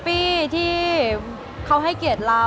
คือบอกเลยว่าเป็นครั้งแรกในชีวิตจิ๊บนะ